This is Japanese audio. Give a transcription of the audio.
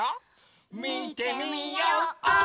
みてみよう！